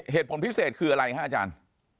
เหตุผลพิเศษคืออะไรฮะอาจารย์